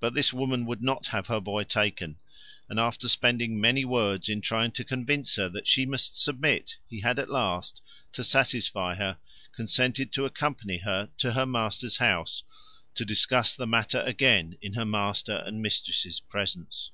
But this woman would not have her boy taken, and after spending many words in trying to convince her that she must submit he had at last, to satisfy her, consented to accompany her to her master's house to discuss the matter again in her master and mistress's presence.